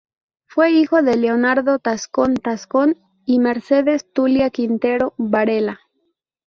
Fue hijo de Leonardo Tascón Tascón y Mercedes Tulia Quintero Varela.